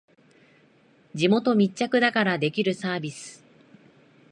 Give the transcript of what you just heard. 地元密着だからできるサービス